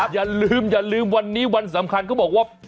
อย่าลืมอย่าลืมวันนี้วันสำคัญเขาบอกว่า